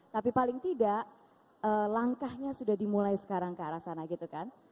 tapi paling tidak langkahnya sudah dimulai sekarang ke arah sana gitu kan